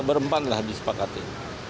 nah berempat lah disepakati